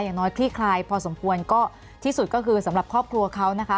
อย่างน้อยคลี่คลายพอสมควรก็ที่สุดก็คือสำหรับครอบครัวเขานะคะ